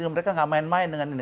mereka nggak main main dengan ini